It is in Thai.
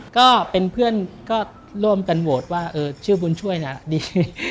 ก็เป็นเพื่อนก็ร่วมกันโหวตว่าชื่อบุญช่วยน่ะดี